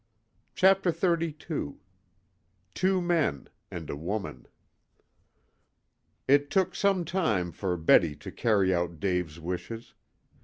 CHAPTER XXXII TWO MEN AND A WOMAN It took some time for Betty to carry out Dave's wishes.